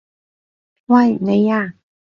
喂！你啊！